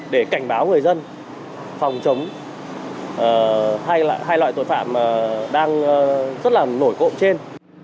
để cảnh báo người dân phòng chống hay loại tội phạm đang rất là nổi cộng trên